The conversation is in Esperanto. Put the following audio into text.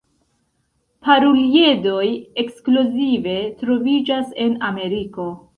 Paruliedoj ekskluzive troviĝas en Ameriko.